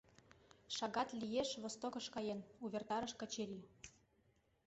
— Шагат лиеш «Востокыш» каен, — увертарыш Качырий.